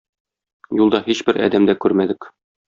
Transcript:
Юлда һичбер адәм дә күрмәдек.